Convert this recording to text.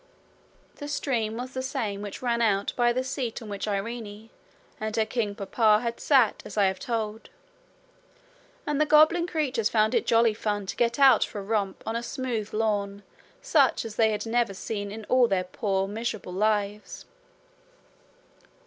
The stream was the same which ran out by the seat on which Irene and her king papa had sat as I have told, and the goblin creatures found it jolly fun to get out for a romp on a smooth lawn such as they had never seen in all their poor miserable lives.